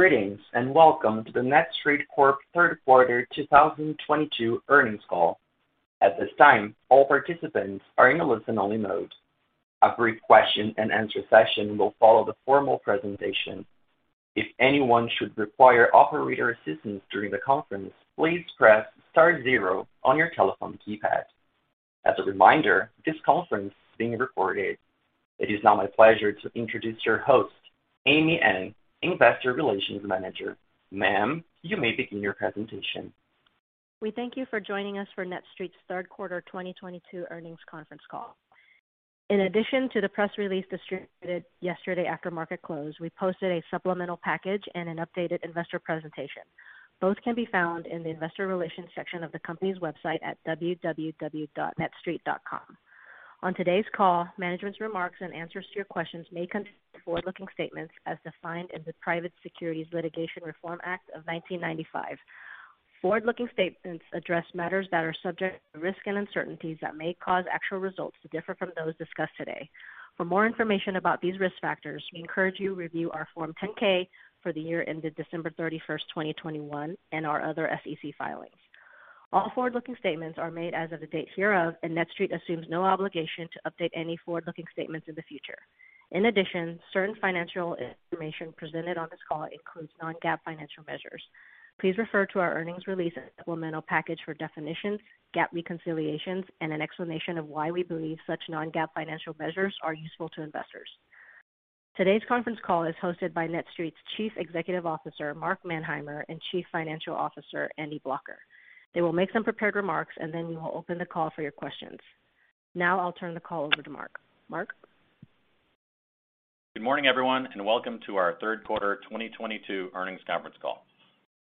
Greetings, and welcome to the NETSTREIT Corp. third quarter 2022 earnings call. At this time, all participants are in a listen-only mode. A brief question and answer session will follow the formal presentation. If anyone should require operator assistance during the conference, please press star zero on your telephone keypad. As a reminder, this conference is being recorded. It is now my pleasure to introduce your host, Amy An, Investor Relations Manager. Ma'am, you may begin your presentation. We thank you for joining us for NETSTREIT's third quarter 2022 earnings conference call. In addition to the press release distributed yesterday after market close, we posted a supplemental package and an updated investor presentation. Both can be found in the investor relations section of the company's website at www.netstreit.com. On today's call, management's remarks and answers to your questions may contain forward-looking statements as defined in the Private Securities Litigation Reform Act of 1995. Forward-looking statements address matters that are subject to risk and uncertainties that may cause actual results to differ from those discussed today. For more information about these risk factors, we encourage you to review our Form 10-K for the year ended December 31, 2021, and our other SEC filings. All forward-looking statements are made as of the date hereof, and NETSTREIT assumes no obligation to update any forward-looking statements in the future. In addition, certain financial information presented on this call includes non-GAAP financial measures. Please refer to our earnings release and supplemental package for definitions, GAAP reconciliations, and an explanation of why we believe such non-GAAP financial measures are useful to investors. Today's conference call is hosted by NETSTREIT's Chief Executive Officer, Mark Manheimer, and Chief Financial Officer, Andy Blocher. They will make some prepared remarks, and then we will open the call for your questions. Now I'll turn the call over to Mark. Mark? Good morning, everyone, and welcome to our third quarter 2022 earnings conference call.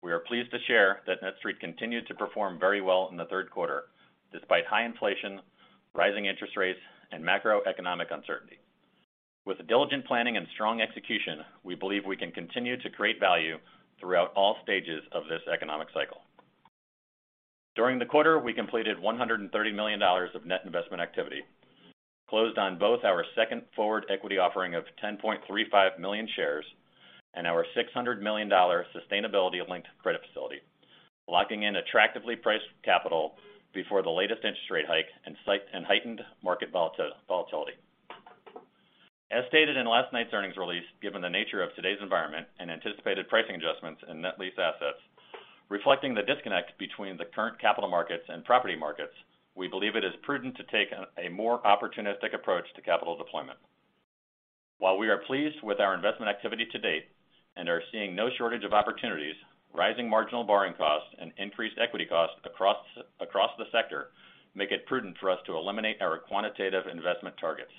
We are pleased to share that NETSTREIT continued to perform very well in the third quarter despite high inflation, rising interest rates, and macroeconomic uncertainty. With diligent planning and strong execution, we believe we can continue to create value throughout all stages of this economic cycle. During the quarter, we completed $130 million of net investment activity, closed on both our second forward equity offering of 10.35 million shares and our $600 million sustainability-linked credit facility, locking in attractively priced capital before the latest interest rate hike and heightened market volatility. As stated in last night's earnings release, given the nature of today's environment and anticipated pricing adjustments in net lease assets, reflecting the disconnect between the current capital markets and property markets, we believe it is prudent to take a more opportunistic approach to capital deployment. While we are pleased with our investment activity to date and are seeing no shortage of opportunities, rising marginal borrowing costs and increased equity costs across the sector make it prudent for us to eliminate our quantitative investment targets.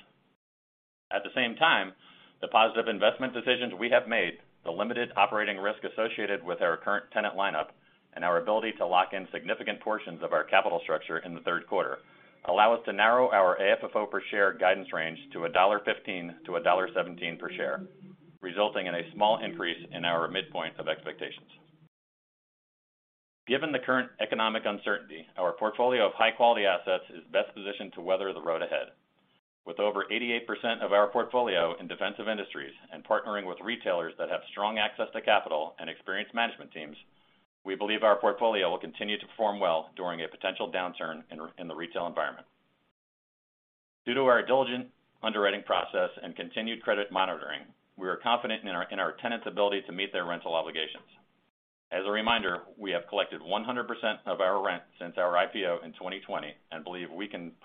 At the same time, the positive investment decisions we have made, the limited operating risk associated with our current tenant lineup, and our ability to lock in significant portions of our capital structure in the third quarter, allow us to narrow our AFFO per share guidance range to $1.15-$1.17 per share, resulting in a small increase in our midpoint of expectations. Given the current economic uncertainty, our portfolio of high-quality assets is best positioned to weather the road ahead. With over 88% of our portfolio in defensive industries and partnering with retailers that have strong access to capital and experienced management teams, we believe our portfolio will continue to perform well during a potential downturn in the retail environment. Due to our diligent underwriting process and continued credit monitoring, we are confident in our tenants' ability to meet their rental obligations. As a reminder, we have collected 100% of our rent since our IPO in 2020 and believe we have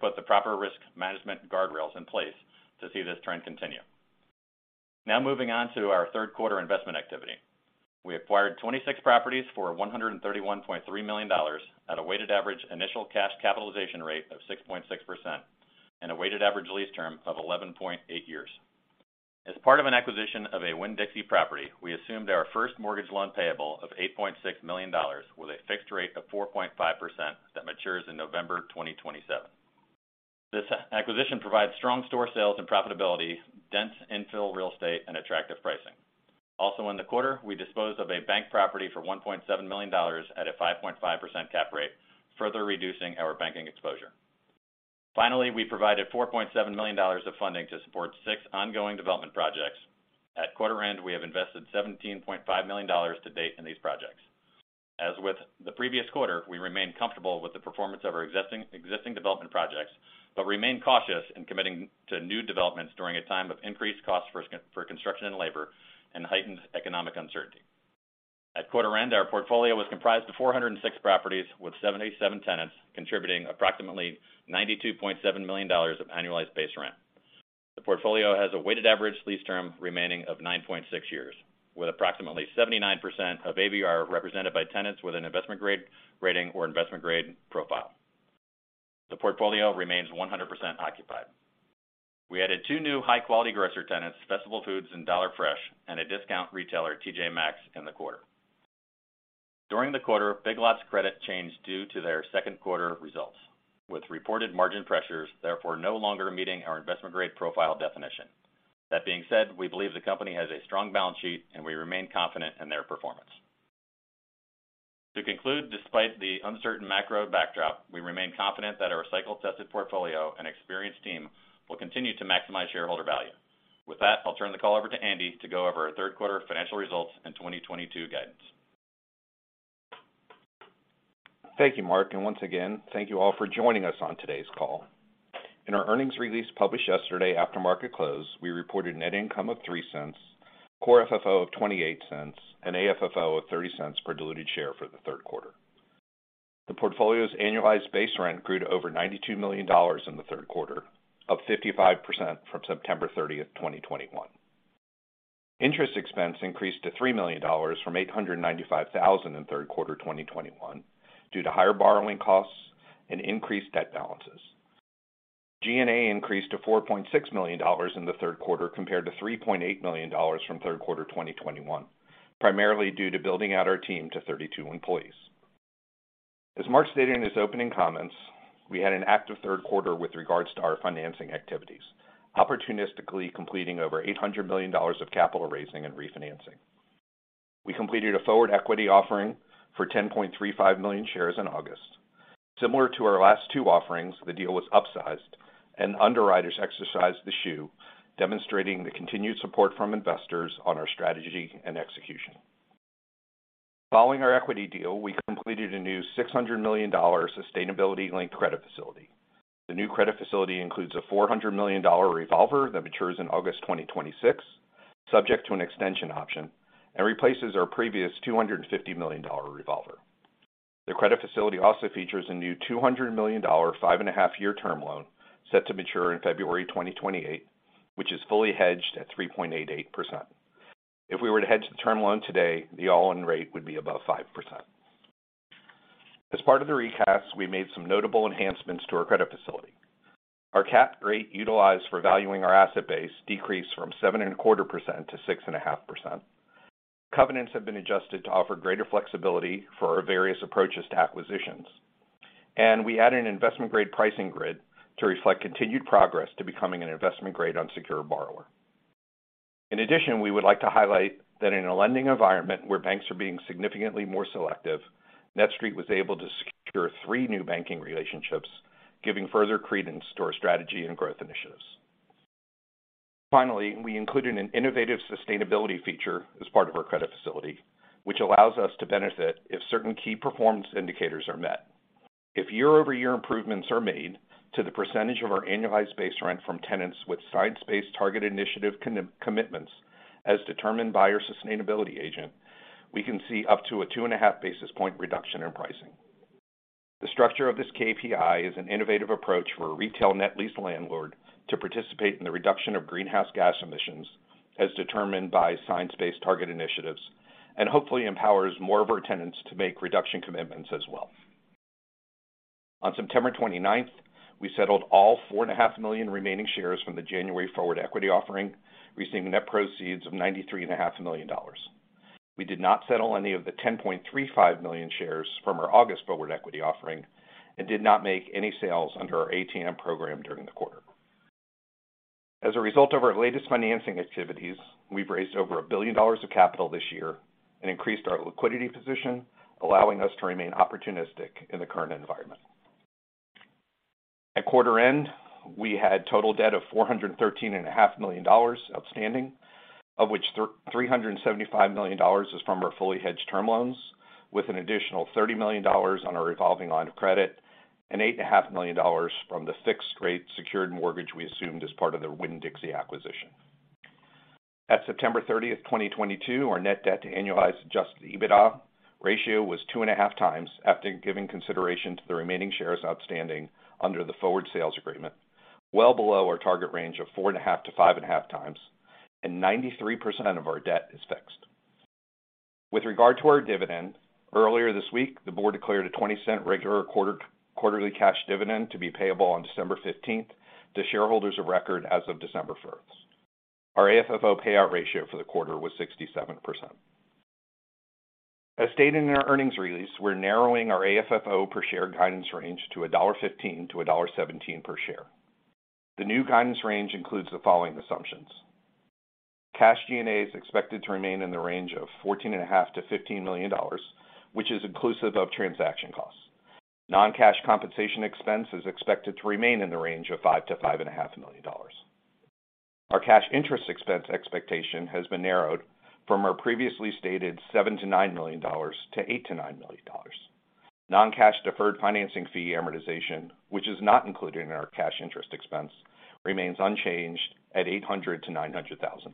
put the proper risk management guardrails in place to see this trend continue. Now moving on to our third quarter investment activity. We acquired 26 properties for $131.3 million at a weighted average initial cash capitalization rate of 6.6% and a weighted average lease term of 11.8 years. As part of an acquisition of a Winn-Dixie property, we assumed our first mortgage loan payable of $8.6 million with a fixed rate of 4.5% that matures in November 2027. This acquisition provides strong store sales and profitability, dense infill real estate, and attractive pricing. Also in the quarter, we disposed of a bank property for $1.7 million at a 5.5% cap rate, further reducing our banking exposure. Finally, we provided $4.7 million of funding to support six ongoing development projects. At quarter end, we have invested $17.5 million to date in these projects. As with the previous quarter, we remain comfortable with the performance of our existing development projects, but remain cautious in committing to new developments during a time of increased costs for construction and labor and heightened economic uncertainty. At quarter end, our portfolio was comprised of 406 properties with 77 tenants, contributing approximately $92.7 million of annualized base rent. The portfolio has a weighted average lease term remaining of 9.6 years, with approximately 79% of ABR represented by tenants with an investment-grade rating or investment-grade profile. The portfolio remains 100% occupied. We added two new high-quality grocer tenants, Festival Foods and Dollar Fresh, and a discount retailer, TJ Maxx, in the quarter. During the quarter, Big Lots credit changed due to their second quarter results, with reported margin pressures therefore no longer meeting our investment-grade profile definition. That being said, we believe the company has a strong balance sheet, and we remain confident in their performance. To conclude, despite the uncertain macro backdrop, we remain confident that our cycle-tested portfolio and experienced team will continue to maximize shareholder value. With that, I'll turn the call over to Andy to go over our third quarter financial results and 2022 guidance. Thank you, Mark. Once again, thank you all for joining us on today's call. In our earnings release published yesterday after market close, we reported net income of $0.03, core FFO of $0.28, and AFFO of $0.30 per diluted share for the third quarter. The portfolio's annualized base rent grew to over $92 million in the third quarter, up 55% from September 30, 2021. Interest expense increased to $3 million from $895,000 in third quarter 2021 due to higher borrowing costs and increased debt balances. G&A increased to $4.6 million in the third quarter compared to $3.8 million from third quarter 2021, primarily due to building out our team to 32 employees. As Mark stated in his opening comments, we had an active third quarter with regards to our financing activities, opportunistically completing over $800 million of capital raising and refinancing. We completed a forward equity offering for 10.35 million shares in August. Similar to our last two offerings, the deal was upsized and underwriters exercised the shoe, demonstrating the continued support from investors on our strategy and execution. Following our equity deal, we completed a new $600 million sustainability-linked credit facility. The new credit facility includes a $400 million revolver that matures in August 2026, subject to an extension option, and replaces our previous $250 million revolver. The credit facility also features a new $200 million 5.5-year term loan set to mature in February 2028, which is fully hedged at 3.88%. If we were to hedge the term loan today, the all-in rate would be above 5%. As part of the recast, we made some notable enhancements to our credit facility. Our cap rate utilized for valuing our asset base decreased from 7.25%-6.5%. Covenants have been adjusted to offer greater flexibility for our various approaches to acquisitions, and we added an investment-grade pricing grid to reflect continued progress to becoming an investment-grade unsecured borrower. In addition, we would like to highlight that in a lending environment where banks are being significantly more selective, NETSTREIT was able to secure three new banking relationships, giving further credence to our strategy and growth initiatives. Finally, we included an innovative sustainability feature as part of our credit facility, which allows us to benefit if certain key performance indicators are met. If year-over-year improvements are made to the percentage of our annualized base rent from tenants with Science Based Targets initiative commitments, as determined by our sustainability agent, we can see up to a 2.5 basis point reduction in pricing. The structure of this KPI is an innovative approach for a retail net lease landlord to participate in the reduction of greenhouse gas emissions as determined by Science Based Targets initiatives, and hopefully empowers more of our tenants to make reduction commitments as well. On September 29th, we settled all 4.5 million remaining shares from the January forward equity offering, receiving net proceeds of $93.5 million. We did not settle any of the 10.35 million shares from our August forward equity offering and did not make any sales under our ATM program during the quarter. As a result of our latest financing activities, we've raised over $1 billion of capital this year and increased our liquidity position, allowing us to remain opportunistic in the current environment. At quarter end, we had total debt of $413.5 million outstanding, of which $375 million is from our fully hedged term loans, with an additional $30 million on our revolving line of credit and $8.5 million from the fixed rate secured mortgage we assumed as part of the Winn-Dixie acquisition. At September 30, 2022, our net debt to annualized adjusted EBITDA ratio was 2.5x after giving consideration to the remaining shares outstanding under the forward sales agreement, well below our target range of 4.5x-5.5x, and 93% of our debt is fixed. With regard to our dividend, earlier this week, the board declared a $0.20 regular quarterly cash dividend to be payable on December fifteenth to shareholders of record as of December first. Our AFFO payout ratio for the quarter was 67%. As stated in our earnings release, we're narrowing our AFFO per share guidance range to $1.15-$1.17 per share. The new guidance range includes the following assumptions. Cash G&A is expected to remain in the range of $14.5 Million-$15 million, which is inclusive of transaction costs. Non-cash compensation expense is expected to remain in the range of $5 million-$5.5 Million. Our cash interest expense expectation has been narrowed from our previously stated $7 million-$9 million to $8 million-$9 million. Non-cash deferred financing fee amortization, which is not included in our cash interest expense, remains unchanged at $800,000-$900,000.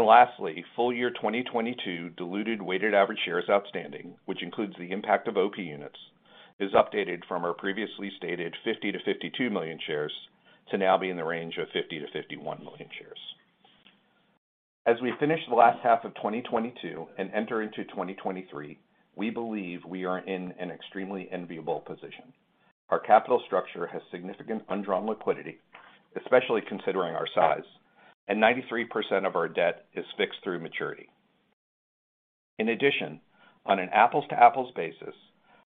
Lastly, full year 2022 diluted weighted average shares outstanding, which includes the impact of OP units, is updated from our previously stated 50-52 million shares to now be in the range of 50-51 million shares. As we finish the last half of 2022 and enter into 2023, we believe we are in an extremely enviable position. Our capital structure has significant undrawn liquidity, especially considering our size, and 93% of our debt is fixed through maturity. In addition, on an apples to apples basis,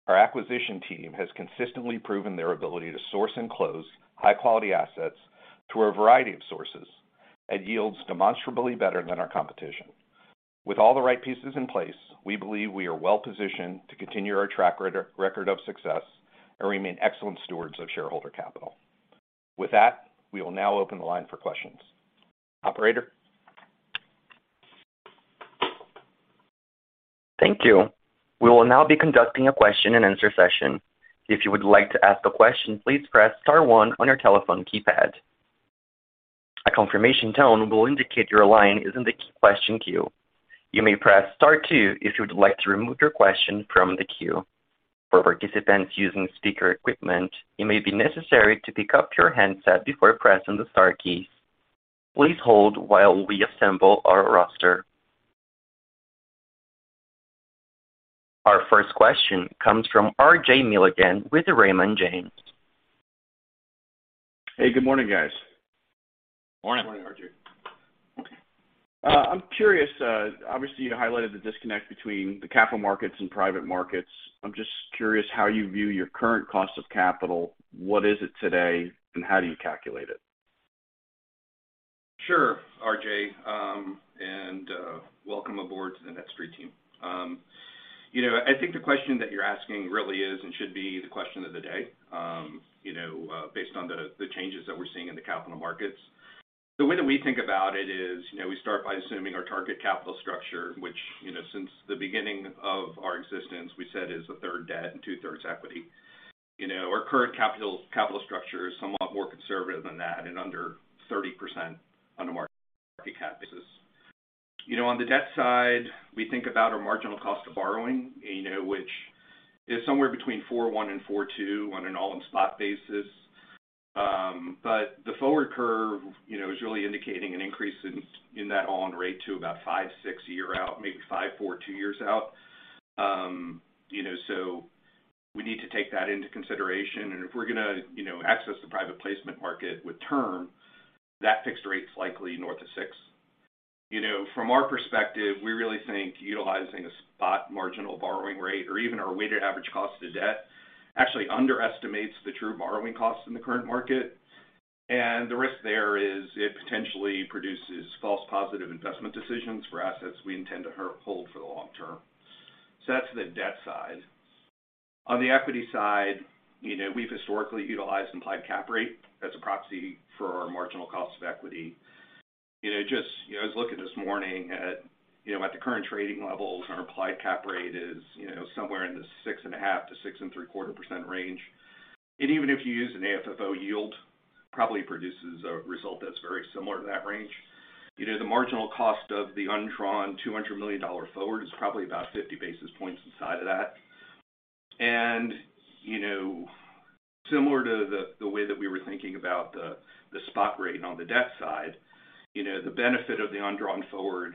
our acquisition team has consistently proven their ability to source and close high quality assets through a variety of sources at yields demonstrably better than our competition. With all the right pieces in place, we believe we are well-positioned to continue our track record of success and remain excellent stewards of shareholder capital. With that, we will now open the line for questions. Operator? Thank you. We will now be conducting a question-and-answer session. If you would like to ask a question, please press star one on your telephone keypad. A confirmation tone will indicate your line is in the question queue. You may press star two if you would like to remove your question from the queue. For participants using speaker equipment, it may be necessary to pick up your handset before pressing the star keys. Please hold while we assemble our roster. Our first question comes from RJ Milligan with Raymond James. Hey, good morning, guys. Morning. Morning, RJ. I'm curious, obviously you highlighted the disconnect between the capital markets and private markets. I'm just curious how you view your current cost of capital, what is it today, and how do you calculate it? Sure, RJ, welcome aboard to the NETSTREIT team. You know, I think the question that you're asking really is and should be the question of the day, you know, based on the changes that we're seeing in the capital markets. The way that we think about it is, you know, we start by assuming our target capital structure, which, you know, since the beginning of our existence, we said is a third debt and two-thirds equity. You know, our current capital structure is somewhat more conservative than that and under 30% on a market cap basis. You know, on the debt side, we think about our marginal cost of borrowing, you know, which is somewhere between 4.1% and 4.2% on an all-in spot basis. The forward curve, you know, is really indicating an increase in the interest rate to about 5.6% year out, maybe 5.42% years out. You know, we need to take that into consideration. If we're gonna, you know, access the private placement market with term, that fixed rate's likely north of 6%. You know, from our perspective, we really think utilizing a spot marginal borrowing rate or even our weighted average cost of debt actually underestimates the true borrowing costs in the current market. The risk there is it potentially produces false positive investment decisions for assets we intend to hold for the long term. That's the debt side. On the equity side, you know, we've historically utilized implied cap rate as a proxy for our marginal cost of equity. You know, just, you know, I was looking this morning at, you know, at the current trading levels, and our implied cap rate is, you know, somewhere in the 6.5%-6.75% range. Even if you use an AFFO yield, probably produces a result that's very similar to that range. You know, the marginal cost of the undrawn $200 million forward is probably about 50 basis points inside of that. You know, similar to the way that we were thinking about the spot rate on the debt side, you know, the benefit of the undrawn forward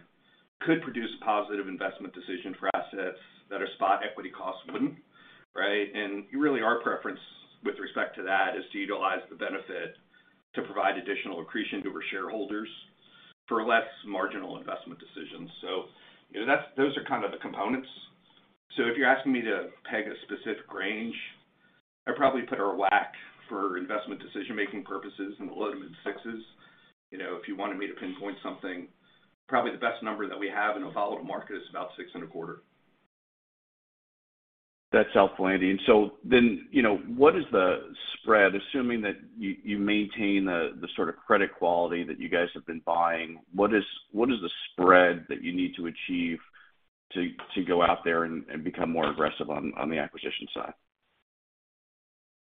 could produce positive investment decision for assets that our spot equity costs wouldn't, right? Really our preference with respect to that is to utilize the benefit to provide additional accretion to our shareholders for less marginal investment decisions. You know, those are kind of the components. If you're asking me to peg a specific range, I'd probably put our WACC for investment decision-making purposes in the low- to mid-6%. You know, if you wanted me to pinpoint something, probably the best number that we have in a forward market is about 6.25%. That's helpful, Andy. You know, what is the spread, assuming that you maintain the sort of credit quality that you guys have been buying, what is the spread that you need to achieve to go out there and become more aggressive on the acquisition side?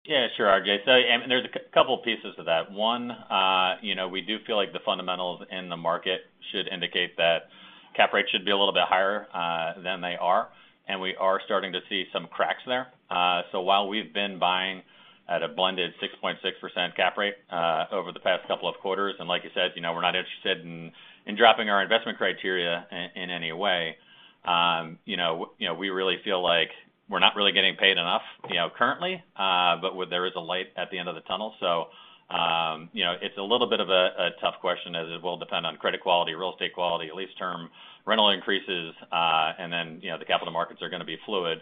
Yeah, sure, RJ. There's a couple pieces to that. One, you know, we do feel like the fundamentals in the market should indicate that cap rates should be a little bit higher than they are, and we are starting to see some cracks there. While we've been buying at a blended 6.6% cap rate over the past couple of quarters, and like you said, you know, we're not interested in dropping our investment criteria in any way, you know, we really feel like we're not really getting paid enough, you know, currently, but where there is a light at the end of the tunnel. You know, it's a little bit of a tough question as it will depend on credit quality, real estate quality, lease term, rental increases, and then, you know, the capital markets are gonna be fluid.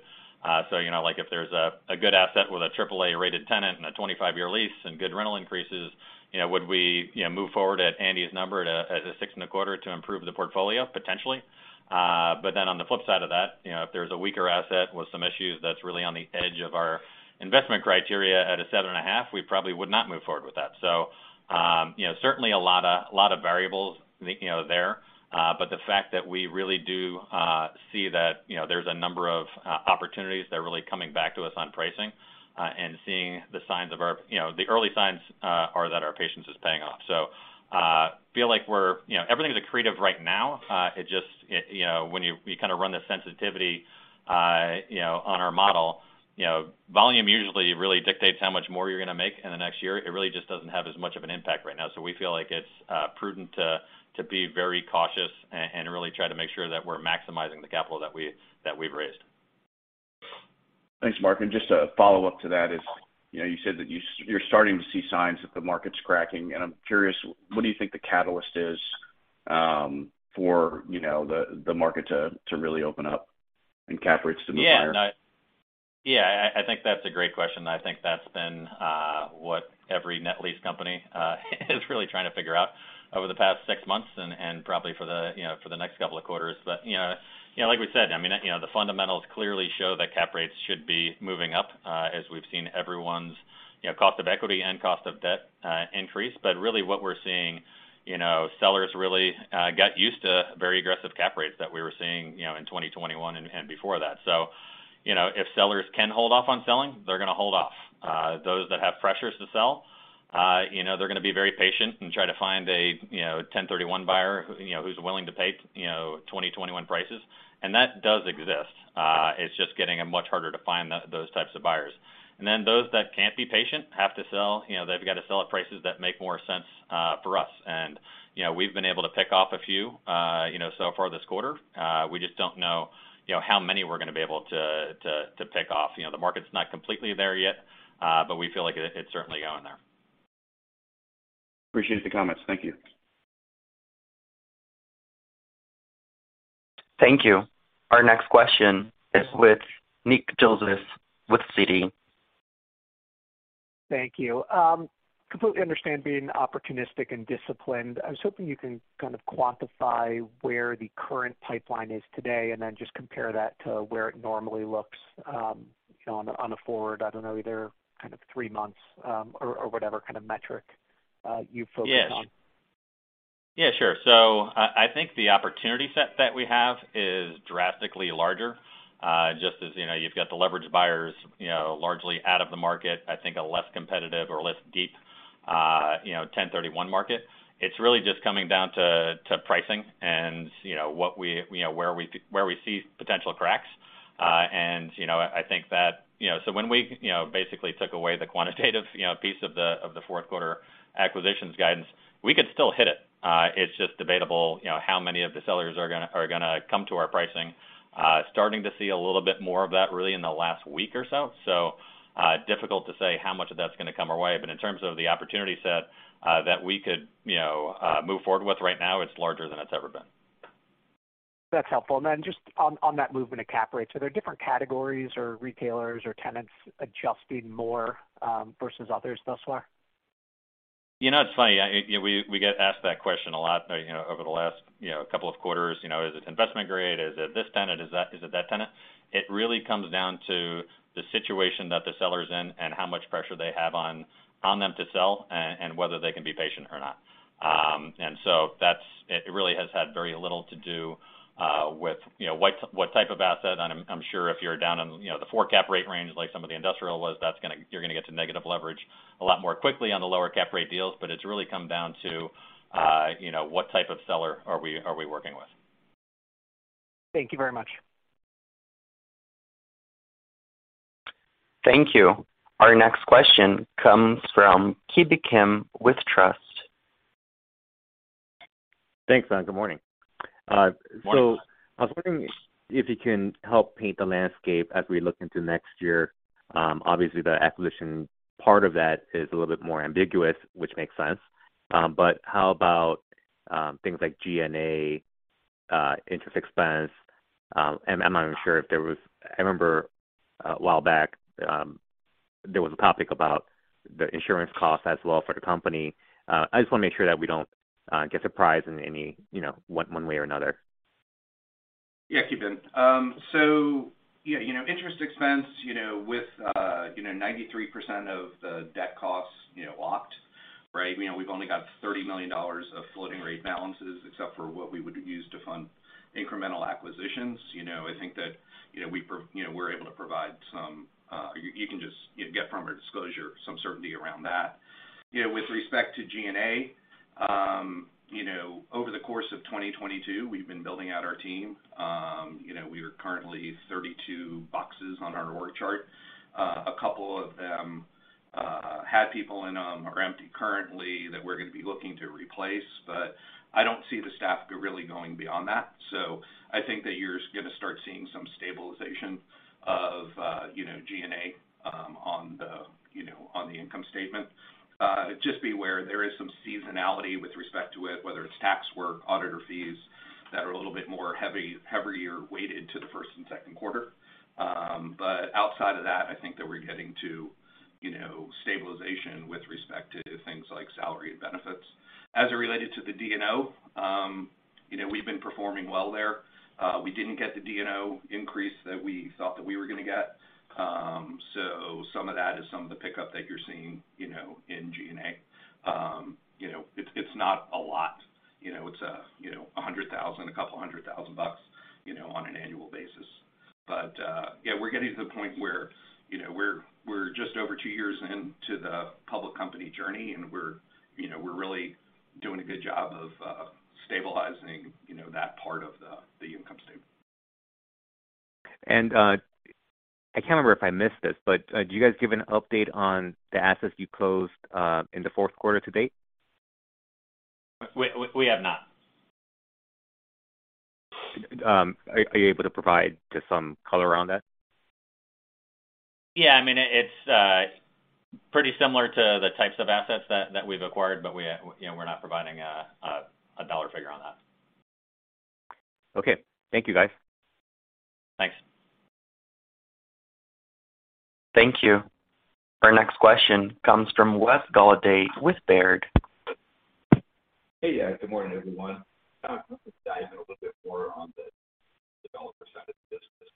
You know, like, if there's a good asset with AAA-rated tenant and a 25-year lease and good rental increases, you know, would we, you know, move forward at Andy's number at a 6.25% to improve the portfolio? Potentially. But then on the flip side of that, you know, if there's a weaker asset with some issues that's really on the edge of our investment criteria at a 7.5%, we probably would not move forward with that. You know, certainly a lot of variables, you know, there. The fact that we really do see that, you know, there's a number of opportunities that are really coming back to us on pricing, and seeing the signs of our you know, the early signs are that our patience is paying off. Feel like we're you know, everything's accretive right now. It just it you know when you kind of run the sensitivity you know on our model you know volume usually really dictates how much more you're gonna make in the next year. It really just doesn't have as much of an impact right now. We feel like it's prudent to be very cautious and really try to make sure that we're maximizing the capital that we've raised. Thanks, Mark. Just a follow-up to that is, you know, you said that you're starting to see signs that the market's cracking, and I'm curious, what do you think the catalyst is, for, you know, the market to really open up and cap rates to move higher? Yeah, I think that's a great question. I think that's been what every net lease company is really trying to figure out over the past six months and probably for the next couple of quarters. You know, like we said, I mean, the fundamentals clearly show that cap rates should be moving up as we've seen everyone's cost of equity and cost of debt increase. Really what we're seeing, you know, sellers really got used to very aggressive cap rates that we were seeing, you know, in 2021 and before that. You know, if sellers can hold off on selling, they're gonna hold off. Those that have pressures to sell, you know, they're gonna be very patient and try to find a, you know, 1031 buyer who, you know, who's willing to pay, you know, 2021 prices. That does exist. It's just getting much harder to find those types of buyers. Then those that can't be patient have to sell. You know, they've got to sell at prices that make more sense for us. You know, we've been able to pick off a few, you know, so far this quarter. We just don't know, you know, how many we're gonna be able to pick off. You know, the market's not completely there yet, but we feel like it's certainly going there. Appreciate the comments. Thank you. Thank you. Our next question is with Nick Joseph with Citi. Thank you. Completely understand being opportunistic and disciplined. I was hoping you can kind of quantify where the current pipeline is today, and then just compare that to where it normally looks, you know, on a forward, I don't know, either kind of three months, or whatever kind of metric you focus on. Yeah. Yeah, sure. I think the opportunity set that we have is drastically larger. Just as you know, you've got the leverage buyers, you know, largely out of the market. I think a less competitive or less deep, you know, 1031 market. It's really just coming down to pricing and, you know, what we you know where we see potential cracks. You know, I think that you know when we, you know, basically took away the quantitative, you know, piece of the of the fourth quarter acquisitions guidance, we could still hit it. It's just debatable, you know, how many of the sellers are gonna come to our pricing. Starting to see a little bit more of that really in the last week or so. difficult to say how much of that's gonna come our way. In terms of the opportunity set, that we could, you know, move forward with right now, it's larger than it's ever been. That's helpful. Just on that movement of cap rates, are there different categories or retailers or tenants adjusting more versus others thus far? You know, it's funny. We get asked that question a lot, you know, over the last couple of quarters. You know, is it investment-grade? Is it this tenant? Is it that tenant? It really comes down to the situation that the seller is in and how much pressure they have on them to sell and whether they can be patient or not. It really has had very little to do with, you know, what type of asset. I'm sure if you're down in, you know, the 4 cap rate range, like some of the industrial was, you're gonna get to negative leverage a lot more quickly on the lower cap rate deals. It's really come down to, you know, what type of seller are we working with. Thank you very much. Thank you. Our next question comes from Ki Bin Kim with Truist. Thanks, man. Good morning. Morning. I was wondering if you can help paint the landscape as we look into next year. Obviously the acquisition part of that is a little bit more ambiguous, which makes sense. How about things like G&A, interest expense? I remember a while back, there was a topic about the insurance costs as well for the company. I just wanna make sure that we don't get surprised in any, you know, one way or another. Yeah. Ki Bin Kim. Yeah, you know, interest expense, you know, with, you know, 93% of the debt costs, you know, locked, right? You know, we've only got $30 million of floating rate balances except for what we would use to fund incremental acquisitions. You know, I think that, you know, we're able to provide some. You can just, you know, get from our disclosure some certainty around that. You know, with respect to G&A, you know, over the course of 2022, we've been building out our team. You know, we are currently 32 boxes on our org chart. A couple of them had people in them are empty currently that we're gonna be looking to replace, but I don't see the staff really going beyond that. I think that you're gonna start seeing some stabilization of, you know, G&A, on the, you know, on the income statement. Just be aware there is some seasonality with respect to it, whether it's tax work, auditor fees that are a little bit more heavier weighted to the first and second quarter. Outside of that, I think that we're getting to, you know, stabilization with respect to things like salary and benefits. As it related to the D&O, you know, we've been performing well there. We didn't get the D&O increase that we thought that we were gonna get. Some of that is some of the pickup that you're seeing, you know, in G&A. You know, it's not a lot. You know, it's $100,000, $200,000 bucks, you know, on an annual basis. Yeah, we're getting to the point where, you know, we're just over 2 years into the public company journey, and we're, you know, really doing a good job of stabilizing, you know, that part of the income statement. I can't remember if I missed this, but do you guys give an update on the assets you closed in the fourth quarter to date? We have not. Are you able to provide just some color around that? Yeah. I mean, it's pretty similar to the types of assets that we've acquired, but we, you know, we're not providing a dollar figure on that. Okay. Thank you, guys. Thanks. Thank you. Our next question comes from Wes Golladay with Baird. Hey, yeah. Good morning, everyone. Just to dive in a little bit more on the developer side of the business.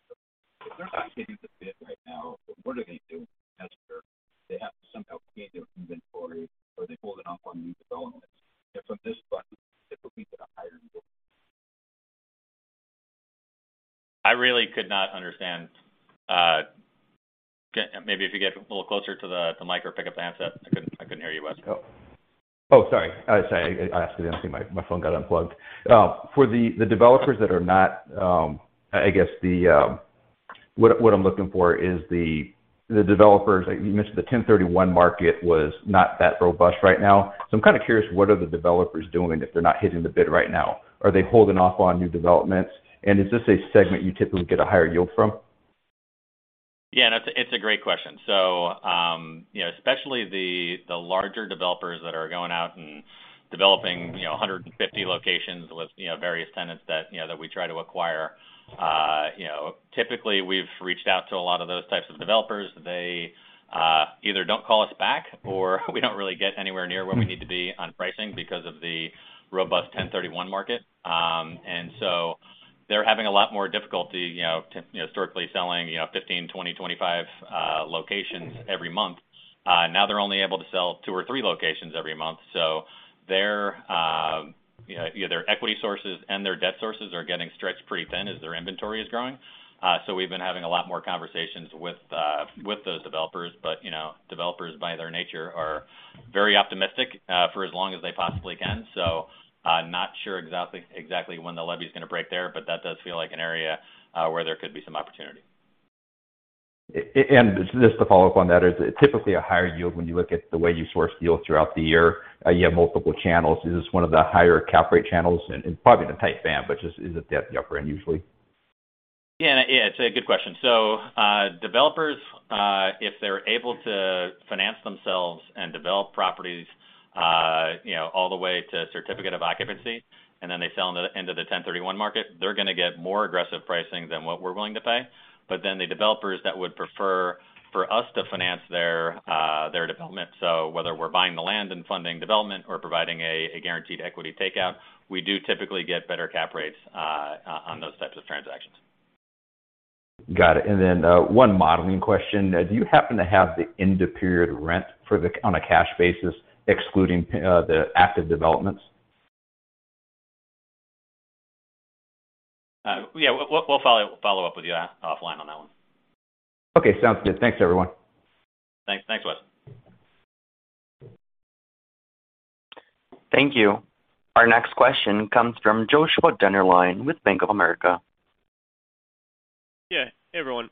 If they're not hitting the bid right now, what are they doing? I'm sure they have to somehow clean their inventory or are they holding off on new developments? You know, from this side, it would be the higher yield. I really could not understand. Maybe if you get a little closer to the mic or pick up the handset. I couldn't hear you, Wes. Oh, sorry. I accidentally. My phone got unplugged. For the developers that are not. I guess. What I'm looking for is the developers. Like, you mentioned the 1031 market was not that robust right now. I'm kind of curious, what are the developers doing if they're not hitting the bid right now? Are they holding off on new developments? And is this a segment you typically get a higher yield from? Yeah, it's a great question. Especially the larger developers that are going out and developing 150 locations with various tenants that we try to acquire. Typically, we've reached out to a lot of those types of developers. They either don't call us back or we don't really get anywhere near where we need to be on pricing because of the robust 1031 market. They're having a lot more difficulty historically selling 15, 20, 25 locations every month. Now they're only able to sell two or three locations every month. Their equity sources and their debt sources are getting stretched pretty thin as their inventory is growing. We've been having a lot more conversations with those developers. You know, developers by their nature are very optimistic for as long as they possibly can. Not sure exactly when the levee's gonna break there, but that does feel like an area where there could be some opportunity. Just to follow up on that, is it typically a higher yield when you look at the way you source deals throughout the year? You have multiple channels. Is this one of the higher cap rate channels? Probably in a tight band, but just is it at the upper end usually? Yeah. Yeah, it's a good question. Developers, if they're able to finance themselves and develop properties, you know, all the way to certificate of occupancy, and then they sell into the 1031 market, they're gonna get more aggressive pricing than what we're willing to pay. The developers that would prefer for us to finance their development, so whether we're buying the land and funding development or providing a guaranteed equity takeout, we do typically get better cap rates on those types of transactions. Got it. One modeling question. Do you happen to have the end of period rent on a cash basis, excluding the active developments? Yeah. We'll follow up with you offline on that one. Okay, sounds good. Thanks, everyone. Thanks. Thanks, Wes. Thank you. Our next question comes from Joshua Dennerlein with Bank of America. Yeah. Hey, everyone.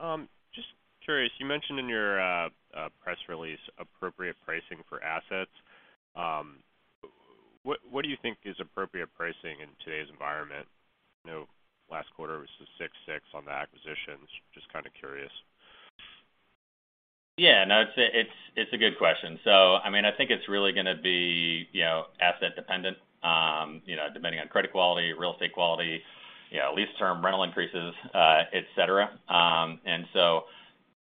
Just curious, you mentioned in your press release, appropriate pricing for assets. What do you think is appropriate pricing in today's environment? You know, last quarter was the 6.6% on the acquisitions. Just kind of curious. Yeah. No, it's a good question. I mean, I think it's really gonna be, you know, asset dependent, you know, depending on credit quality, real estate quality, you know, lease term, rental increases, et cetera.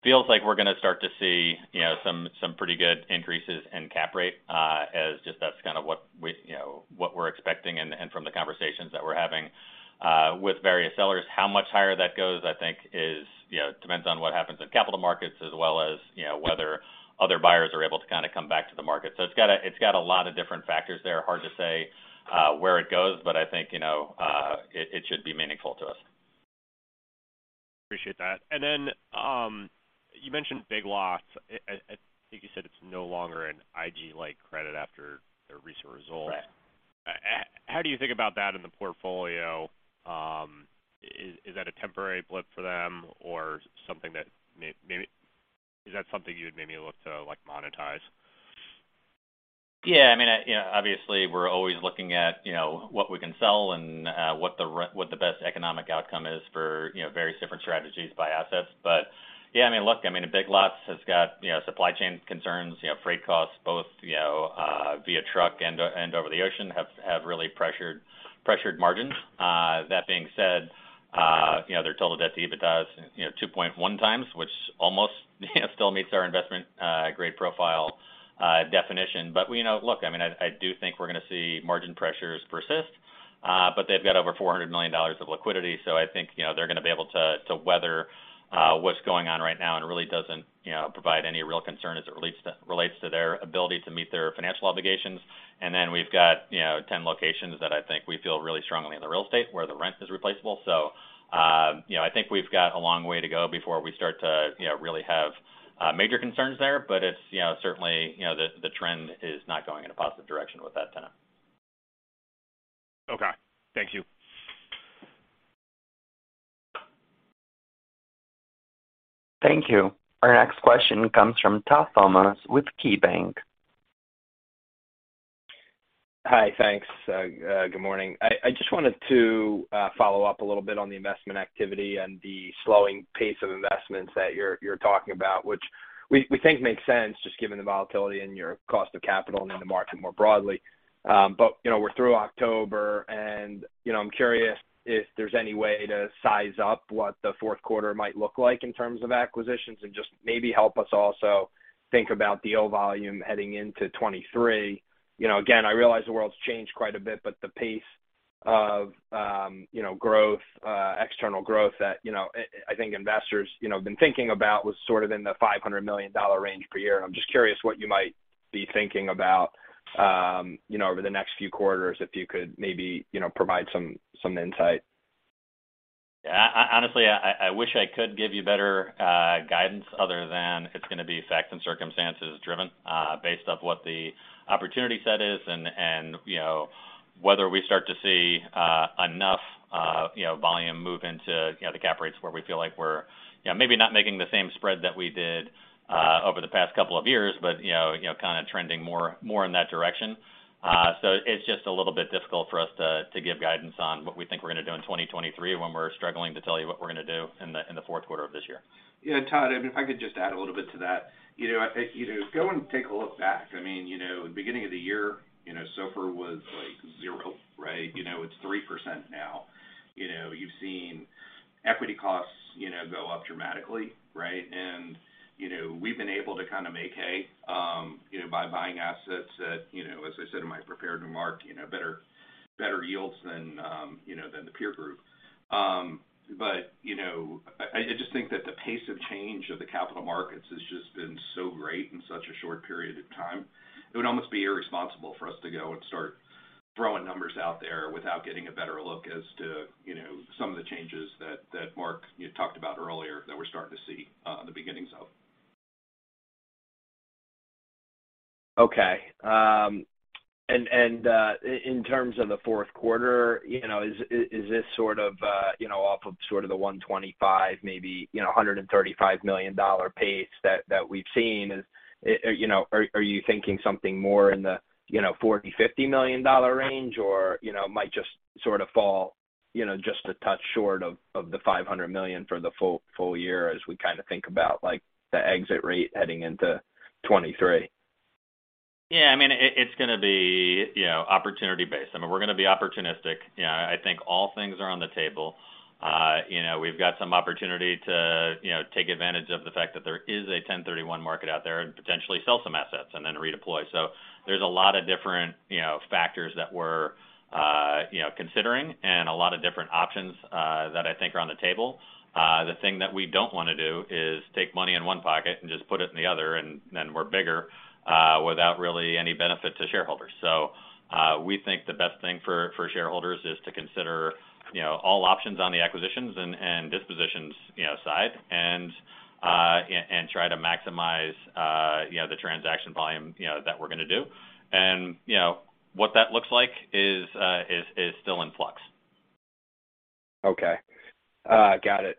Feels like we're gonna start to see, you know, some pretty good increases in cap rate, as just that's kind of what we, you know, what we're expecting and from the conversations that we're having with various sellers. How much higher that goes, I think is, you know, depends on what happens in capital markets as well as, you know, whether other buyers are able to kind of come back to the market. It's got a lot of different factors there. Hard to say where it goes, but I think, you know, it should be meaningful to us. Appreciate that. You mentioned Big Lots. I think you said it's no longer an IG-like credit after their recent results. Right. How do you think about that in the portfolio? Is that a temporary blip for them or something that may be? Is that something you would maybe look to, like, monetize? Yeah, I mean, you know, obviously we're always looking at, you know, what we can sell and what the best economic outcome is for, you know, various different strategies by assets. Yeah, I mean, look, I mean, Big Lots has got, you know, supply chain concerns. You know, freight costs both, you know, via truck and over the ocean have really pressured margins. That being said, you know, their total debt-to-EBITDA is, you know, 2.1x, which almost, you know, still meets our investment-grade profile definition. Look, I mean, I do think we're gonna see margin pressures persist, but they've got over $400 million of liquidity. I think, you know, they're gonna be able to to weather what's going on right now, and it really doesn't, you know, provide any real concern as it relates to their ability to meet their financial obligations. We've got, you know, 10 locations that I think we feel really strongly in the real estate where the rent is replaceable. You know, I think we've got a long way to go before we start to, you know, really have major concerns there. It's, you know, certainly, you know, the trend is not going in a positive direction with that tenant. Okay. Thank you. Thank you. Our next question comes from Todd Thomas with KeyBanc. Hi, thanks. Good morning. I just wanted to follow up a little bit on the investment activity and the slowing pace of investments that you're talking about, which we think makes sense just given the volatility in your cost of capital and in the market more broadly. You know, we're through October and, you know, I'm curious if there's any way to size up what the fourth quarter might look like in terms of acquisitions. Just maybe help us also think about the O volume heading into 2023. You know, again, I realize the world's changed quite a bit, but the pace of, you know, growth, external growth that, you know, I think investors, you know, have been thinking about was sort of in the $500 million range per year. I'm just curious what you might be thinking about, you know, over the next few quarters, if you could maybe, you know, provide some insight. Yeah. Honestly, I wish I could give you better guidance other than it's gonna be facts and circumstances driven based off what the opportunity set is and you know whether we start to see enough you know volume move into you know the cap rates where we feel like we're you know maybe not making the same spread that we did over the past couple of years, but you know kind of trending more in that direction. So it's just a little bit difficult for us to give guidance on what we think we're gonna do in 2023 when we're struggling to tell you what we're gonna do in the fourth quarter of this year. Yeah. Todd, I mean, if I could just add a little bit to that. You know, I think, you know, go and take a look back. I mean, you know, beginning of the year, you know, SOFR was like 0, right? You know, it's 3% now. You know, you've seen equity costs, you know, go up dramatically, right? And, you know, we've been able to kind of make hay, you know, by buying assets that, you know, as I said in my prepared remark, you know, better yields than, you know, than the peer group. But, you know, I just think that the pace of change of the capital markets has just been so great in such a short period of time. It would almost be irresponsible for us to go and start throwing numbers out there without getting a better look as to, you know, some of the changes that Mark, you talked about earlier that we're starting to see, the beginnings of. Okay. In terms of the fourth quarter, you know, is this sort of, you know, off of sort of the $125 million maybe $135 million dollar pace that we've seen? You know, are you thinking something more in the, you know, $40 million-$50 million dollar range or, you know, might just sort of fall, you know, just a touch short of the $500 million for the full year as we kind of think about like the exit rate heading into 2023? Yeah, I mean, it's gonna be, you know, opportunity based. I mean, we're gonna be opportunistic. You know, I think all things are on the table. You know, we've got some opportunity to, you know, take advantage of the fact that there is a 1031 market out there and potentially sell some assets and then redeploy. There's a lot of different, you know, factors that we're, you know, considering and a lot of different options, that I think are on the table. The thing that we don't wanna do is take money in one pocket and just put it in the other, and then we're bigger, without really any benefit to shareholders. We think the best thing for shareholders is to consider, you know, all options on the acquisitions and dispositions, you know, side, and try to maximize, you know, the transaction volume, you know, that we're gonna do. You know, what that looks like is still in flux. Okay. Got it.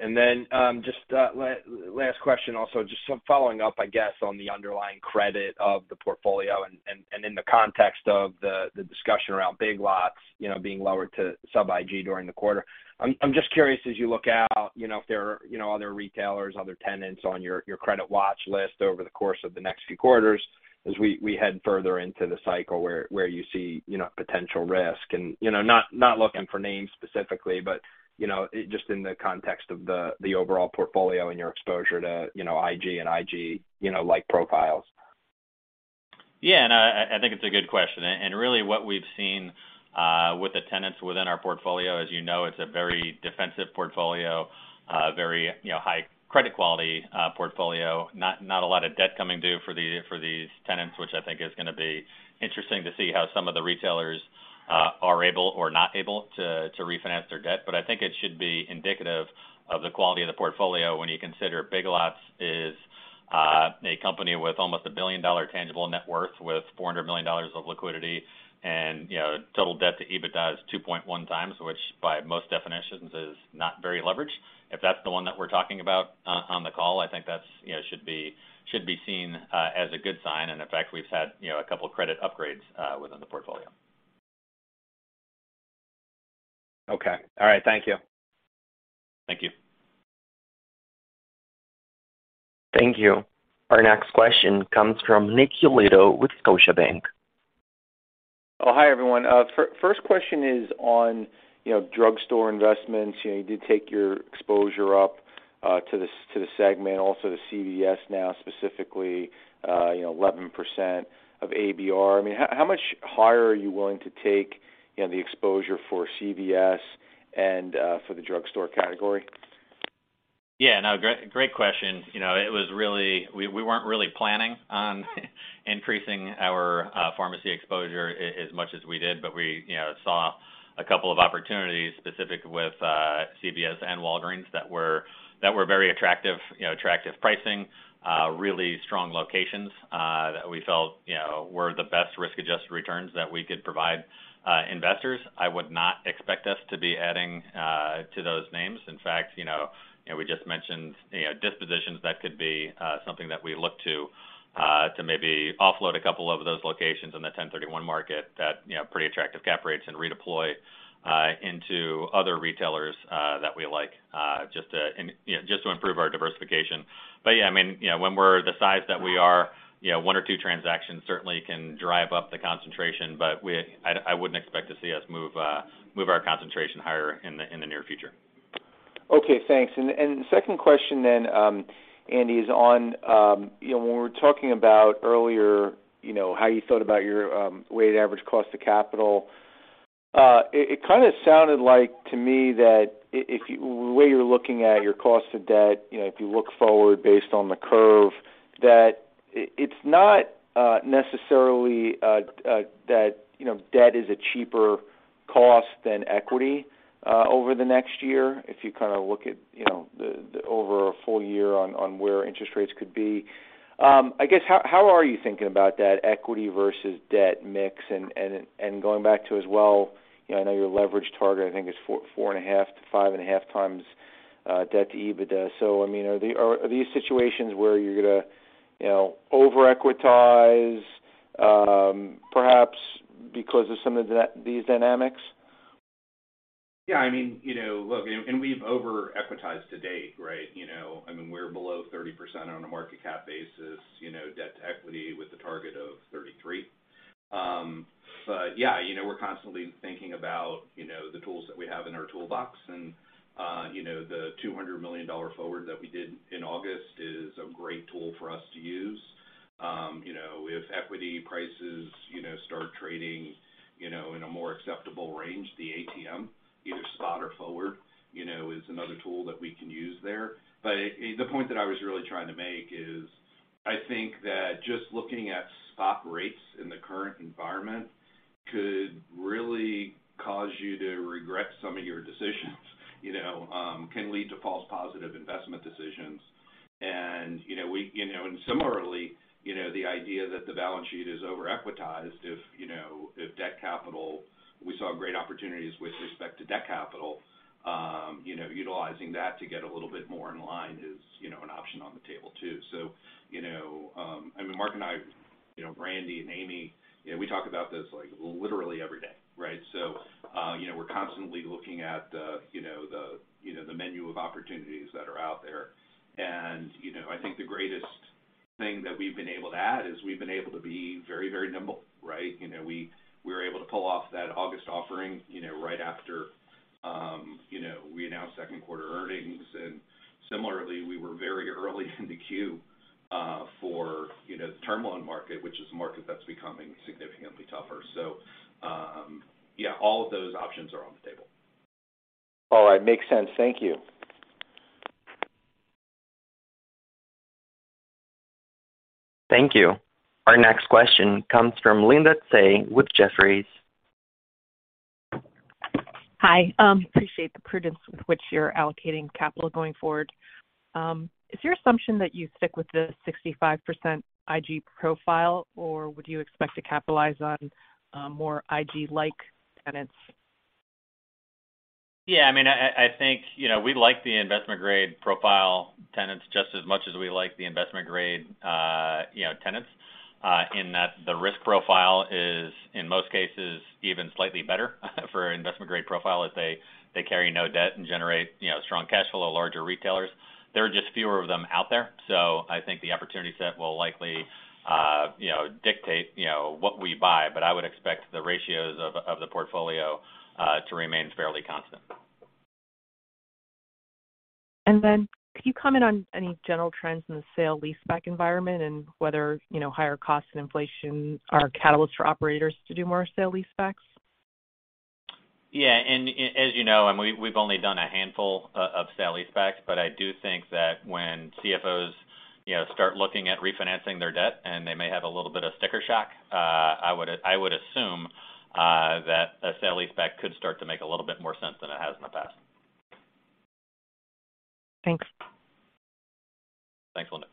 Just last question also, just so following up, I guess, on the underlying credit of the portfolio and in the context of the discussion around Big Lots, you know, being lowered to sub-IG during the quarter. I'm just curious as you look out, you know, if there are other retailers, other tenants on your credit watch list over the course of the next few quarters as we head further into the cycle where you see, you know, potential risk. You know, not looking for names specifically, but just in the context of the overall portfolio and your exposure to, you know, IG and sub-IG, you know, like profiles. Yeah. No, I think it's a good question. Really what we've seen with the tenants within our portfolio, as you know, it's a very defensive portfolio, very you know high credit quality portfolio. Not a lot of debt coming due for these tenants, which I think is gonna be interesting to see how some of the retailers are able or not able to refinance their debt. I think it should be indicative of the quality of the portfolio when you consider Big Lots is a company with almost a billion-dollar tangible net worth with $400 million of liquidity, and you know total debt to EBITDA is 2.1x, which by most definitions is not very leveraged. If that's the one that we're talking about on the call, I think that's, you know, should be seen as a good sign. In fact, we've had, you know, a couple of credit upgrades within the portfolio. Okay. All right. Thank you. Thank you. Thank you. Our next question comes from Nick Yulico with Scotiabank. Oh, hi, everyone. First question is on, you know, drugstore investments. You know, you did take your exposure up to the segment, also to CVS now specifically, you know, 11% of ABR. I mean, how much higher are you willing to take, you know, the exposure for CVS and for the drugstore category? Yeah. No, great question. You know, we weren't really planning on increasing our pharmacy exposure as much as we did, but we, you know, saw a couple of opportunities specific with CVS and Walgreens that were very attractive, you know, attractive pricing, really strong locations, that we felt, you know, were the best risk-adjusted returns that we could provide investors. I would not expect us to be adding to those names. In fact, you know, we just mentioned dispositions that could be something that we look to maybe offload a couple of those locations in the ten thirty-one market at, you know, pretty attractive cap rates and redeploy into other retailers that we like, just to, you know, just to improve our diversification. Yeah, I mean, you know, when we're the size that we are, you know, one or two transactions certainly can drive up the concentration, but I wouldn't expect to see us move our concentration higher in the near future. Okay, thanks. The second question, Andy, is on you know, when we're talking about earlier, you know, how you thought about your weighted average cost of capital. It kind of sounded like to me that if you're looking at your cost of debt, you know, if you look forward based on the curve, that it's not necessarily that you know, debt is a cheaper cost than equity over the next year if you kind of look at you know, the over a full year on where interest rates could be. I guess how are you thinking about that equity versus debt mix and going back to as well, you know, I know your leverage target, I think is 4.5x-5.5x debt to EBITDA. I mean, are these situations where you're gonna, you know, over-equitize, perhaps because of some of these dynamics? Yeah, I mean, you know, look, we've over-equitized to date, right? You know, I mean, we're below 30% on a market cap basis, you know, debt to equity with a target of 33%. Yeah, you know, we're constantly thinking about, you know, the tools that we have in our toolbox and, you know, the $200 million forward that we did in August is a great tool for us to use. You know, if equity prices, you know, start trading, you know, in a more acceptable range, the ATM, either spot or forward, you know, is another tool that we can use there. The point that I was really trying to make is I think that just looking at spot rates in the current environment could really cause you to regret some of your decisions, you know, can lead to false positive investment decisions. You know, we, you know, and similarly, you know, the idea that the balance sheet is over-equitized, if, you know, if debt capital we saw great opportunities with respect to debt capital, you know, utilizing that to get a little bit more in line is, you know, an option on the table too. You know, I mean, Mark and I, you know, Randy and Amy, you know, we talk about this like literally every day, right? You know, we're constantly looking at the, you know, the, you know, the menu of opportunities that are out there. You know, I think the greatest thing that we've been able to add is we've been able to be very, very nimble, right? You know, we were able to pull off that August offering, you know, right after you know, we announced second quarter earnings. Similarly, we were very early in the queue for you know, the term loan market, which is a market that's becoming significantly tougher. Yeah, all of those options are on the table. All right. Makes sense. Thank you. Thank you. Our next question comes from Linda Tsai with Jefferies. Hi. Appreciate the prudence with which you're allocating capital going forward. Is your assumption that you stick with the 65% IG profile, or would you expect to capitalize on more IG-like tenants? Yeah, I mean, I think, you know, we like the investment-grade profile tenants just as much as we like the investment-grade, you know, tenants, in that the risk profile is, in most cases, even slightly better for investment-grade profile as they carry no debt and generate, you know, strong cash flow, larger retailers. There are just fewer of them out there. I think the opportunity set will likely, you know, dictate, you know, what we buy, but I would expect the ratios of the portfolio to remain fairly constant. Can you comment on any general trends in the sale leaseback environment and whether, you know, higher costs and inflation are catalysts for operators to do more sale leasebacks? As you know, we've only done a handful of sale leasebacks, but I do think that when CFOs, you know, start looking at refinancing their debt and they may have a little bit of sticker shock, I would assume that a sale leaseback could start to make a little bit more sense than it has in the past. Thanks. Thanks, Linda.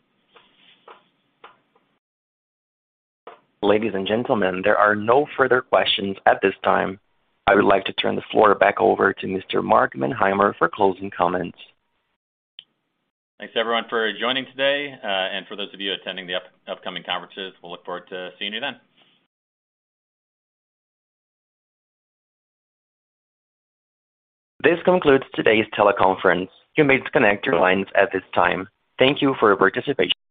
Ladies and gentlemen, there are no further questions at this time. I would like to turn the floor back over to Mr. Mark Manheimer for closing comments. Thanks everyone for joining today. For those of you attending the upcoming conferences, we'll look forward to seeing you then. This concludes today's teleconference. You may disconnect your lines at this time. Thank you for your participation.